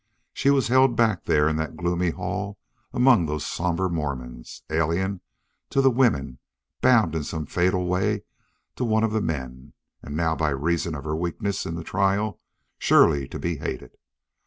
She was held back there in that gloomy hall among those somber Mormons, alien to the women, bound in some fatal way to one of the men, and now, by reason of her weakness in the trial, surely to be hated.